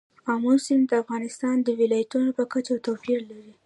آمو سیند د افغانستان د ولایاتو په کچه توپیر لري.